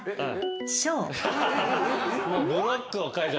はい。